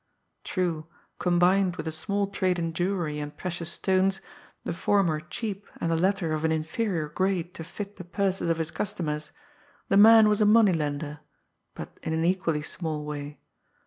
True, combined with a small trade in jewelry and precious stones, the former cheap and the latter of an inferior grade to fit the purses of his customers, the man was a money lender but in an equally small way.